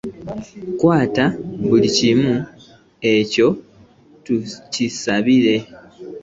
Kwata buli kimu ekikyo tukisabire.